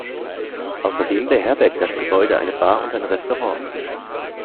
Außerdem beherbergt das Gebäude eine Bar und ein Restaurant.